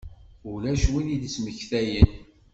Ulac win i d-ittmektayen.